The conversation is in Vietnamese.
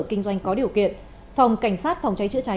kinh doanh có điều kiện phòng cảnh sát phòng cháy chữa cháy